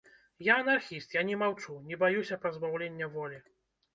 Я анархіст, я не маўчу, не баюся пазбаўлення волі.